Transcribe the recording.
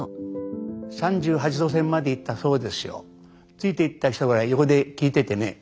ついていった人が横で聞いててね。